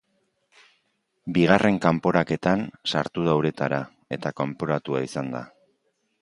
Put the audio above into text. Bigarren kanporaketan sartu da uretara, eta kanporatua izan da.